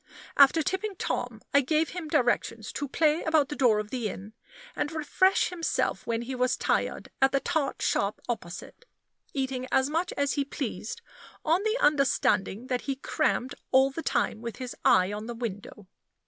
After tipping Tom, I gave him directions to play about the door of the inn, and refresh himself when he was tired at the tart shop opposite, eating as much as he pleased, on the understanding that he crammed all the time with his eye on the window.